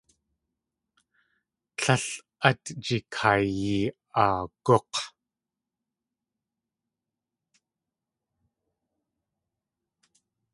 Líl át jikayi.aag̲úk̲!